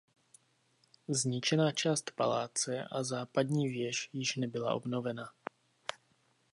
Zničená část paláce a západní věž již nebyla obnovena.